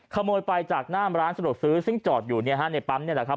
ขโมยไปจากหน้าร้านสะดวกซื้อซึ่งจอดอยู่ในปั๊มนี่แหละครับ